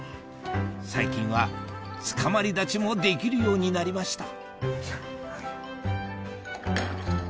最近はつかまり立ちもできるようになりました